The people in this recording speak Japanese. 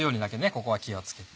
ここは気を付けて。